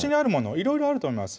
いろいろあると思います